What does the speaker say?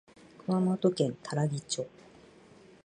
熊本県多良木町